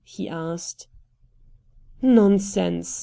he asked. "Nonsense!"